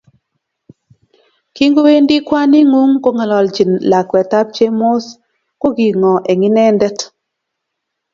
Kingowendi kwaningung kongalchin lakwetab Chemos ko kingo eng inendet